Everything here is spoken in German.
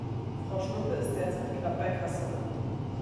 Frau Schnuppe ist derzeit knapp bei Kasse.